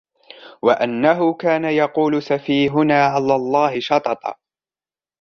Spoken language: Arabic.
وأنه كان يقول سفيهنا على الله شططا